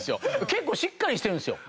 結構しっかりしてるんですよ。